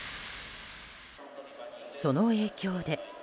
その影響で。